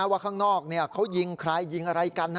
ว่าข้างนอกเขายิงใครยิงอะไรกัน